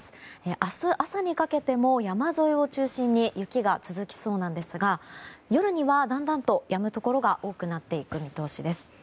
明日朝にかけても山沿いを中心に雪が続きそうなんですが夜にはだんだんとやむところが多くなっていく見通しです。